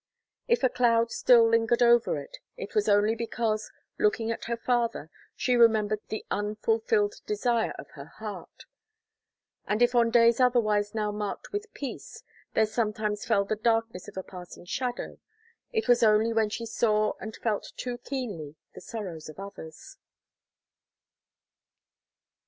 If a cloud still lingered over it, it was only because, looking at her father, she remembered the unfulfilled desire of her heart; and if on days otherwise now marked with peace, there sometimes fell the darkness of a passing shadow, it was only when she saw and felt too keenly the sorrows of others.